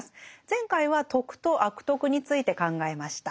前回は「徳」と「悪徳」について考えました。